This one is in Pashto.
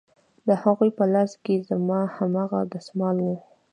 د هغې په لاس کښې زما هماغه دسمال و.